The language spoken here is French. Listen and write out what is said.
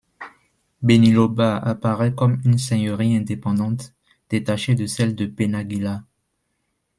Benilloba apparaît alors comme une seigneurie indépendante, détachée de celle de Penàguila.